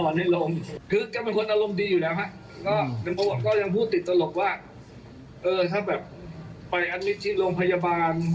เรื่องตัวโทรก็ยังพูดติดตลกว่าถ้าไปอัดมิทที่โรงพยาบาล